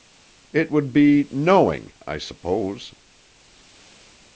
"It would be 'knowing', I suppose."